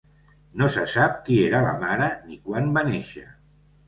No se sap qui era la mare ni quan va néixer.